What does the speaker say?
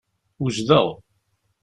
Wejdeɣ.